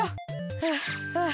はあはあ。